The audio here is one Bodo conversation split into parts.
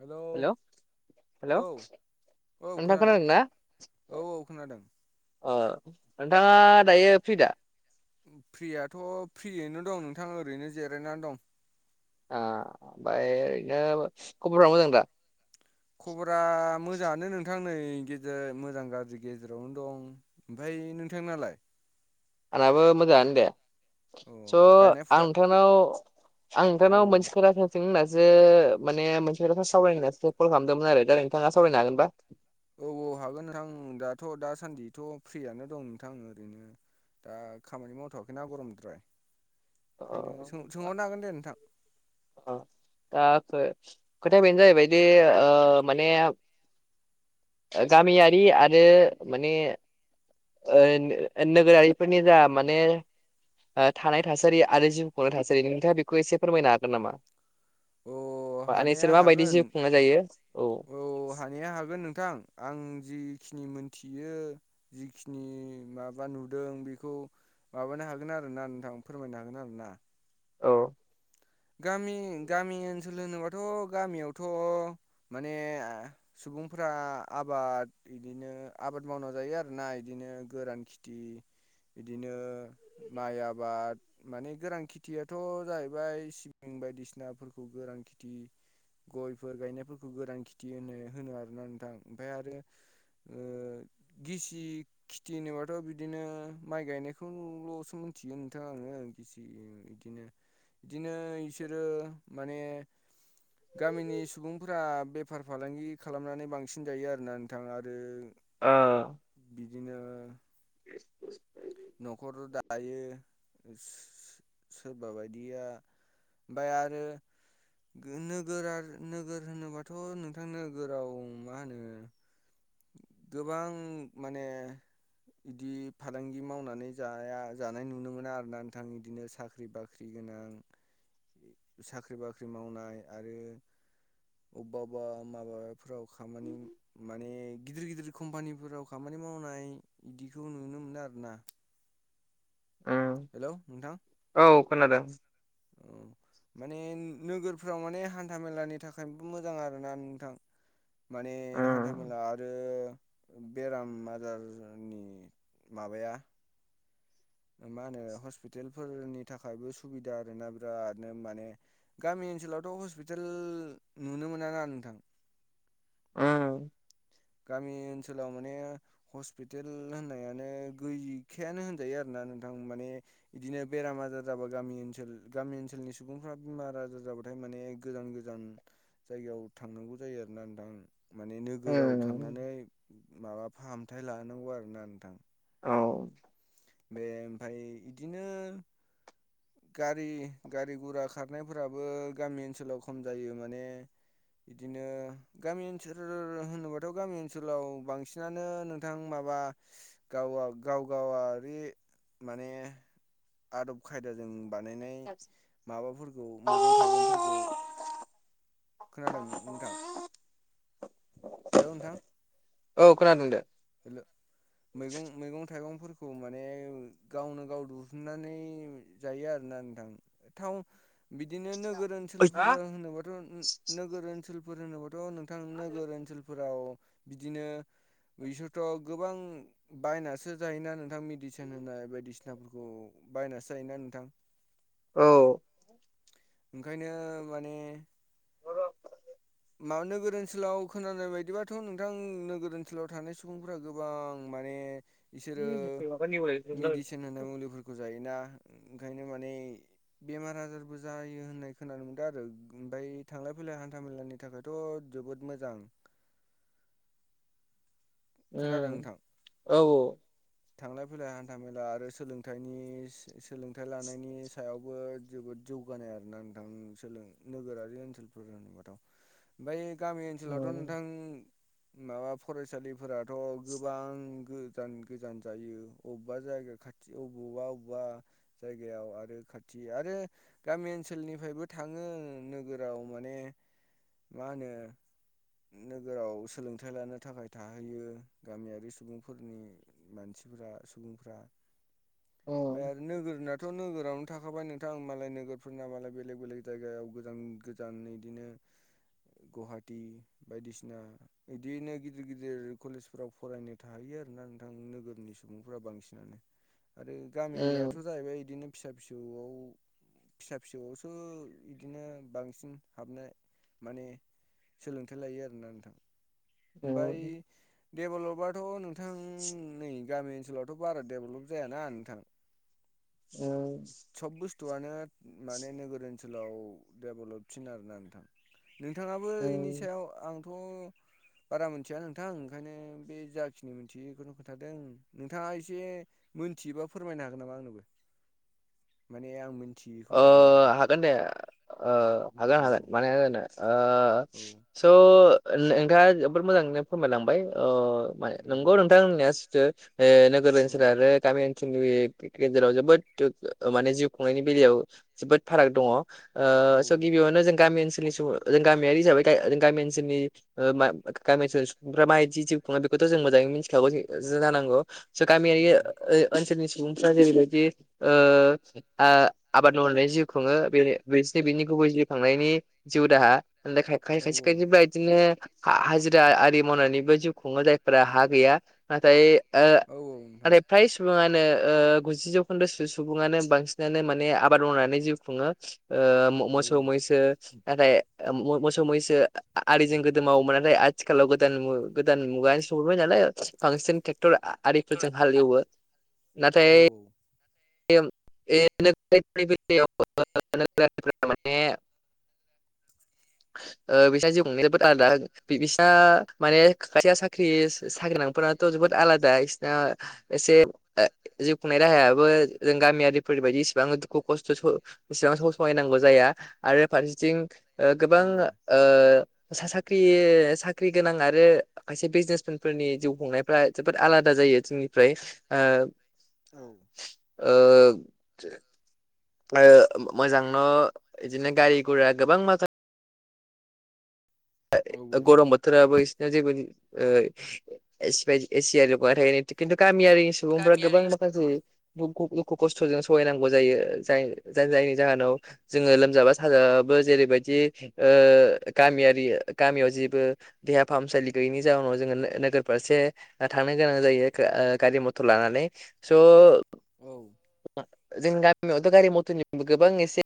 हेलौ हेल' हेल' औ औ नोंथां खोनादों ना औ औ खोनादों। ओ नोंथाङा दायो फ्रि दा? फ्रियाथ' फ्रियैनो दं नोंथां ओरैनो जिरायनानै दं। आ ओमफाय ओरैनो खबरा मोजां दा? खबरा मोजाङानो नोंथां। नै गेजेर मोजां गाज्रि गेजेरावनो दं ओमफाय नोंथांनालाय? आंनाबो मोजाङानो दे अ स' गायनायफोरा आं नोंथांनाव आं औ नोंथांनाव मोनसे खोथा सोंनो होननसो जे माने मोनसे खोथा सावरायनायसो कल खालामदोंमोन आरो दा नोंथाङा सावरायनो हागोनबा? औ औ हागोन नोंथां दाथ' दासान्दिथ' फ्रियानो दं नोंथां ओरैनो। दा खामानि मावथ'वाखैना गरमद्राय। अ अ ओंखायनो सों सोंहरनो हागोन दे नोंथां औ दा। ओ खोथाया बेनो जाहैबाय जे ओ माने गामियारि आरो माने ओ नोगोरारिफोरनि जा माने ओ थानाय थासारि आरो जिउ खुंनाय थासारि नोंथाङा बेखौ एसे फोरमायनो हागोन नामा? अ बा नोंसोर हानाया माबायदि हागोन, जिउ खुंनाय जायो औ हानाया हागोन नोंथां। आं जिखिनि मोनथियो जिखिनि माबा नुदों बेखौ माबानो हागोन आरो ना नोंथां फोरमायनो हागोन आरो ना। औ गामि गामि ओनसोल होनोबाथ' गामियावथ' माने सुबुंफोरा आबाद बिदिनो आबाद मावना जायो आरोना इदिनो गोरान खेथि। बिदिनो माइ आबाद माने गोरान खेथियाथ' जाहैबाय सि बिं बायदिसिनाफोरखौ गोरान खिथि गयफोर गायनायफोरखौ गोरान खेथि होनो होनो आरोना नोंथां ओमफ्राय आरो ओ गिसि खिथि होनोबाथ' बिदिनो माइ गायनायखौल'सो मिथिगोन नोंथां आङो गिसि बिदिनो बिदिनो इसोरो माने गामिनि सुबुंफोरा बेफार फालांगि खालामनानै बांसिन जायो आरोना नोंथां आरो ओ बिदिनो न'खर' दायो सोरबा बायदिया ओमफाय आरो नोगोर नोगोर होनोबाथ' नोंथां नोगोराव मा होनो गोबां माने बिदि फालांगि मावनानै जाया जानाय नुनो मोना आरो ना नोंथां इदिनो साख्रि बाख्रि गोनां साख्रि बाख्रि मावनाय आरो अबबा अबबा माबा फोराव खामानि माने गिदिर गिदिर कम्पानिफोराव खामानि मावनाय बिदिखौ नुनो मोनो आरो ना। औ औ खोनादों। औ [inaudible] माने नोगोरफ्राव माने हान्था मेलानि थाखायबो मोजां आरोना नोंथां। माने हान्था उम मेला आरो बेराम आजारनि माबाया मा होनो हस्पितेलफोरनि थाखायबो सुबिदा आरोना बिरादनो माने गामि ओनसोलावथ' हस्पिटाल नुनो मोना ना नोंथां। [inaudible] उम गामि ओनसोलाव माने हस्पिटेल होननायानो गैखायानो होनजायो आरोना। थां माने बिदिनो बेराम आजार जाबा गामि ओनसोल गामि ओनसोलनि सुबुंफोरा बेमार आजार जाबा थाय माने गोजान गोजान जायगायाव थांनांगौ जायो आरोना नोंथां उम माने नोगोराव उम थांनानै माबा फाहामथाय लानांगौ आरोना नोंथां। औ बे ओमफाय बिदिनो गारि गारि गरा खारनायफोराबो गामि ओनसोलाव खम जायो माने बिदिनो गामि ओनसोल होनोबाथ' गामि ओनसोलाव बांसिनानो नोंथां माब बा गावा-गाव गावा बे माने आदब खायदाजों बानायनाय माबाफोरखौ मैगं थाइगंफोरखौ खोनादों नोंथां। हेलौ नोंथां औ खोनादों दे। हेल' मैगं-मैगं थाइगंफोरखौ माने गावनो गाव दुहुननानै जायो आरोना नोंथां टावन बिदिनो नोगोर नोगोर हा ओनसोलफोराव होनोबाथ' नोगोर ओनसोलफोर होनोबाथ' नोंथां नोगोर ओनसोलफोराव बिदिनो बिसोरथ' गोबां बायनासो जायोना नों नोंथां मेडिसिन होनाय बायदिसिनाफोरखौ बायनासो जायोना नोंथां। औ ओंखायनो माने औ मा नोगोर ओनसोलाव खोनानाय बायदिबाथ' नोंथां नोगोर ओनसोलाव थानाय सुबुंफोरा गोबां माने बिसोरो उम उम उम मिदिसिन होननाय मुलिफोरखौ जायो। दा ओंखायनो माने बेमार आजारबो जायो होननाय खोनानो मोनदों आरो ओमफाय थांलाय फैलाय हान्था मेलानि नि थाखायथ जोबोद मोजां खोनादों उम नोंथां औ औ थांलाय फैलाय हान्था मेला आरो सोलोंथाइनि सोलोंथाइ लानायनि सायावबो जोबोद जौगानाय आरोना नोंथां उम सोलों नोगोरारि ओनसोलफोर होनोबाथ ओमफ्राय गामि ओनसोलावथ नोंथां माबा फरायसालि फोराथ गोबां गोजान गोजान जायो अबबा जायगा खाथि अबबा अबबा बा जायगायाव आरो खाथि आरो गामि ओनसोलनिफ्रायबो थाङो नोगोराव माने मा होनो नोगोराव सोलोंथाइ लानो थाखाय थाखाय था थाहैयो गामियारि सुबुंफोरनि मानसिफ्रा सुबुंफ्रा। फ्राय आरो नोगोरना थ नोगोरावनो थाखाबाय नोंथां मालाय नोगोरफोर ना मालाय बेलेग बेलेग जायगायाव गोजान गोजान इदिनो गुवाहाटि बायदिसिना बिदिनो गिदिर गिदिर कलेजफोराव फरायनो थाहैयो आरो ना नोंथां नोगोरनि सुबुंफोरा बांसिनानो आरो गामिनियाथ जाहैबाय इदिनो फिसा फिसौयाव फिसा फिसौयावसो बिदिनो बांसिन हाबनाय माने सोलोंथाइ लायो आरोना नोंथां ओमफ्राय उम डेभेलपथ नोंथां नै गामि ओनसोलावथ बारा डेभलप जायाना नोंथां। औ थयानो माने नोगोर ओनसोलाव डेभलपसिन आरोना नोंथां। नोंथाङाबो इनि उम सायाव आंथ बारा मिथिया नोंथां ओंखायनो बे जाखिनि मोनथियो इखोनो खोन्थादों नोंथाङा एसे मोन मिथियोबा फोरमायनो हागोन नामा आंनोबो। माने आं मो ओ हागोन दे। ओ हागोन औ हागोन मानो हाया जानो ओ औ स नोंथाङा जोबोर मोजाङैनो फोरमाय लांबाय ओ औ नंगौ नोंथां होननाया सिथो ओ नोगोर औ ओनसोल आरो गामि ओनसोलनि गेजेराव जोबोद माने जिउ खुंनायनि बेलाव जोबोर फाराग दं औ ओ स गिबियावनो गामि ओनसोलनि जों गामियारि हिसाबै गा गामि ओनसोलनि ओ मा गामि ओनसोलनि सुबुंफोरा माबाय जिउ खुंयो बेखौथ जों मोजाङै मिथिखागौ जानांगौ गामियारि औ ओ ओनसोलनि सुबुंफोरा जैरै बायदि ओ आ आबाद मावनायनि जिउ खुङो बे बिसिनि बिनि गुबै जिउ खांनायनि जिउ दाहा खा औ खायसे खायदि बायदिनो हाजिरा आरि मावनानैबो जिउ खुङो जायफोरा हा गैया नाथाय औ औ नोंथां ओ फ्राय सुबुंयानो ओ गुजि जौखोन्दो सुबुयानो बांसिनानो माने आबाद मावनानै जिउ खुङो ओ औ मोसौ मैसो नाथाय मोसौ मैसो आरिजों गोदो मावोमोन नाथाय आथिखालाव गोदान गोदान मुगा सौफैबाय नालाय बांसिन टेक्टर आरिफोरजों हालेवो नाथाय औ [unintelligible] माने ओ बिसा जिउ खुंनाया जोबोद आलादा बिसा माने खायसेया साख्रि साख्रि गोनांफोरा थ जोबोद आलादा इसना एसे ओ जिउ खुंनाय राहायाबो जों गामियारिफोर बायदि इसेबां दुखु खस्थ इसेबां सहायनांगौ जाया आरो फारसेथिं ओ गोबां ओ साख्रि साख्रि गोनां आरो खायसे बिजनेस मेनफोरनि जिउ खुंनायफ्रा जोबोद आलादा जा जायो जोंनिफ्राय ओ औ ओ ओ मोजां न' बिदिनो गारि गुरा गोबां माखा गरम बोथोराबो बिसोरना जेबो ओ एसि बादि एसिय [unintelligible] खिन्थु गारि गामियारि सुबुंफ्रा गोबां माखासे दु-दुखु खस्थ'जों सहायनांगौ जायो जाय- जायनि जाहोनाव जोङो लोमजाबा साजाबा जेरैबायदि ओ गामियारि गामियाव जेबो देहा फाहामसालि गैयिनि जाउनाव जोङो नो- नोगोर फारसे थांनो गोनां जायो ओ गारि मथर लानानै स' औ औ औ जों गा गामियावथ' गारि मथरनिबो गोबां एसे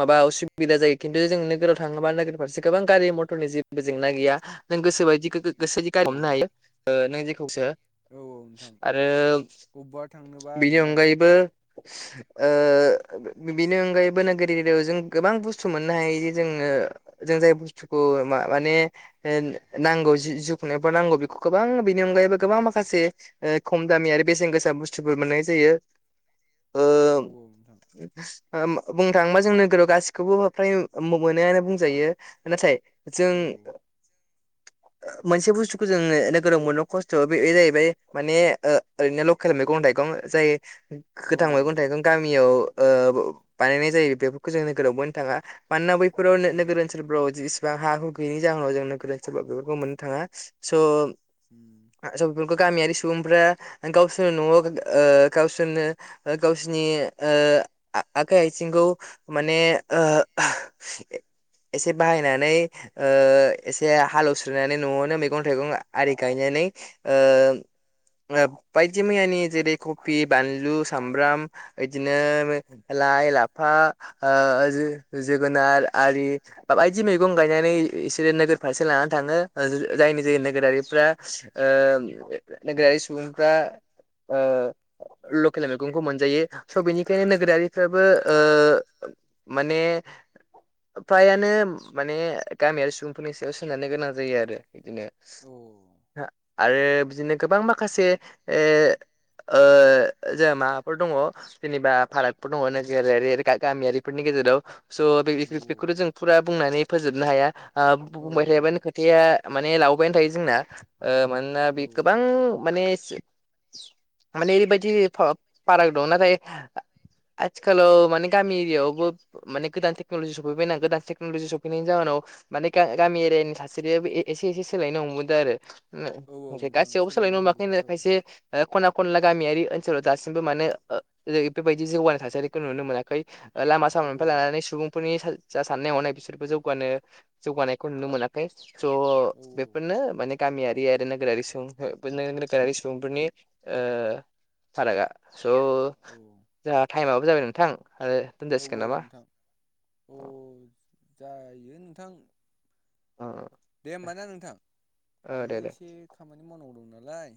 माबा असुबिदा जायो खिन्थु जों नोगोराव थाङोबा फारसे गोबां गारि मथरनि जेबो जेंना गैया नों गोसोबायदि गोसो जि औ गारि हमनो हायो ओ नों जेखौसो औ औ नोंथां आरो अबेबा थांनोबा बिनि आरोना नोंथां अनगायैबो ओ बिनि अनगायैबो नोगोर एरियाइयाव जों गोबां बुस्थु मोननो हायो जोङो जों जाय बुस्थु खु माने नांगौ जि जिखुनायफोर नांगौ बेखौ गोबां बेनि अनगायैबो गोबां माखासे खम दामि आरो बेसेन गोसा बुस्थुफोर मोननाय जायो। ओ औ औ नोंथां बुंनो थाङोबा जों नोगोराव गासिखौबो फ्राय मोनोआनो बुंजायो नाथाय जों औ मोनसे बुस्थुखौ जोङो नोगोराव मोन खस्थ' बे जाहैबाय माने ओरैनो लकेल मैगं थाइ मैगं जाय गोथां मैगं थाइगं औ गामियाव ओ बानायनाय जायो बेफोरखौ जों नोगोराव मोननो थाङा मानोना बैफोराव औ नोगोर ओनसोलफोराव जि बिबां हा हु गैयिनि जाहोनाव जों नोगोर ओनसोलाव बेफोरखौ मोननो थाङा स' स' [inaudible] बेफोरखौ गामियारि सुबुंफ्रा गावसोरनो न'आव ओ गावसोरनो गावसोरनि आखाइ आथिंखौ माने ओ एसे बाहायनानै एसे हालेवस्रानानै न'आवनो मैगं थाइगं आरि गायनानै ओम बायदि मैयानि जेरै कपि बानलु सामब्राम बिदिनो लाइ लाफा ओ जोगोनार बाय दि मैगं गायनानै बिसोरो नोगोर फारसे लानानै थाङो जायनि जोहै नोगोरारिफ्रा नोगोरारि सुबुंफ्रा ओ लकेल मैगंखौ मोनजायो स' बेनिखायनो नोगोरारि फोराबो ओ माने फ्रायानो माने गामियारि सुबुंफोरनि सायाव सोनारनो गोनां जायो आरो बिदिनो औ आरो बिदिनो गोबां माखासे ए ओ जोंहा माबाफोर दङ जेनेबा फारागफोर दङ नोगोर गामियारिफोरनि गे गेजेराव औ बेखौथ' जों फुरा बुंनानै फोजोबनो हाया आ औ बुंबाय थायोबानो नोंथां खोथाया माने लावबायानो थायो जोंना मानोना औ बे गोबां माने माने ओरैबायदि फाराग दं नाथाय आथिखालाव माने गामि एरियायवबो माने गोदान टेक्न'लजि सफैबायना गोदान टेक्न'लजि स फैनायनि जााहोनाव माने गामि एरियानि थासारियाबो एसे एसे सोलायनो हमबोदों औ औ आरो नोंथां गासैयावबो सोलायनो हमाखै हमबोबायथ' आरो खायसे खना खनला गामियारि ओनसोलाव दासिमबो मानो बेबायदि जौगानाय थासारिखौ नुनो मोनाखै लामा औ सामानिफ्राय औ लानानै सुबुंफोरनि जा साननाय हनाय बिसोरबो जौगानो जौगानायखौ नुनो मोनाखै स' औ बेफोरनो माने गामियारि गामियारि नोगोरारि सुबुंफोरनि फाारगा स' औ जोहा टाइमाबो जाबाय नोंथां आरो औ दोनजासिगोन औ नामा? नोंथां औ जायो नोंथां अ दे होमबा ना नोंथां अ आंबो दे दे। एसे खामानि मावनांगौ दं नालाय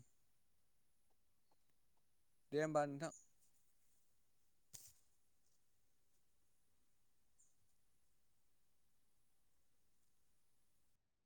दे होमबा नोंथां